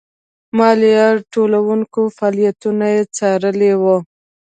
مالیه ټولوونکو فعالیتونه یې څارلي وو.